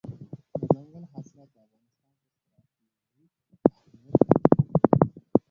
دځنګل حاصلات د افغانستان په ستراتیژیک اهمیت کې رول لري.